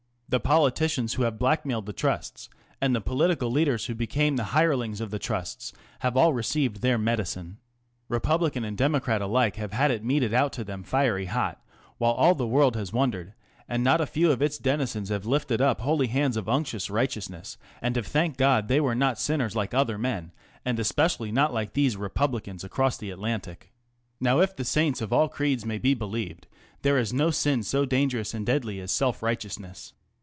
The politicians who have blackmailed the Trusts, and the political leaders who became the hirelings of the Trusts, have all received their medicine. Republican and Democrat alike have had it meted out to them fiery hot, while all the world has wondered, and not a few of its denizens Mrs. W. R. Hearst and the Boy. have lifted up holy hands of unctuous righteousness and have thanked God they were not sinners like other men, and especially not like these (re)publicans across the Atlantic. Now if the saints of all creeds may be believed, there is no sin so dangerous and deadly as self righteousness.